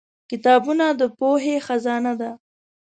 کتابونه د پوهې خزانه ده.